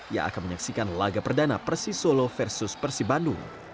yang akan menyaksikan laga perdana persi solo versus persi bandung